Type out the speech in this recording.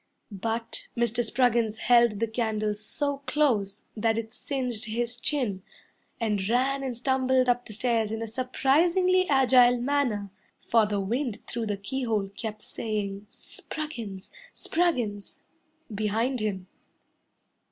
But Mr. Spruggins held the candle so close that it singed his chin, And ran and stumbled up the stairs in a surprisingly agile manner, For the wind through the keyhole kept saying, "Spruggins! Spruggins!" behind him.